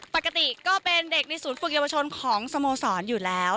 ปกติก็เป็นเด็กในศูนย์ฝึกเยาวชนของสโมสรอยู่แล้ว